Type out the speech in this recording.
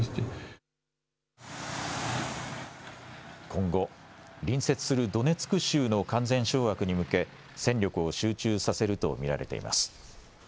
今後、隣接するドネツク州の完全掌握に向け、戦力を集中させると見られています。